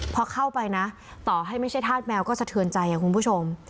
พอเข้าไปนะต่อให้ไม่ใช่ธาตุแมวก็สะเทือนใจคุณผู้ชม